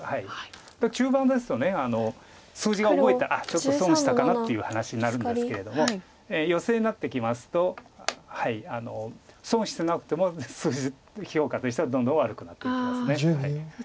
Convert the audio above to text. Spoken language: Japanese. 「ちょっと損したかな」っていう話になるんですけれどもヨセになってきますと損してなくても評価としてはどんどん悪くなってきます。